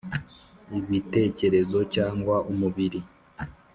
ibitekerezo cyangwa umubiri.